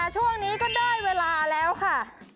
ช่วงนี้ก็ได้เวลาแล้วค่ะ